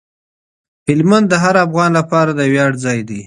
هلمند د هر افغان لپاره د ویاړ ځای دی.